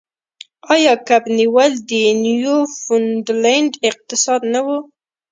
آیا کب نیول د نیوفونډلینډ اقتصاد نه و؟